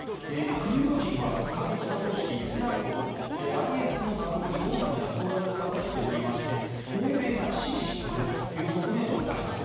クルド人は過激派組織イスラム国ＩＳに打倒する大きな役割を果たしておりまして欧米が支持しているという側面もあります。